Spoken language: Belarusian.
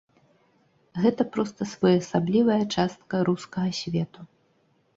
Гэта проста своеасаблівая частка рускага свету.